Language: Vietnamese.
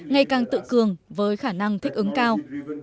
ngày càng tự cường với khả năng thích ứng cao